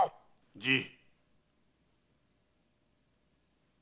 じい。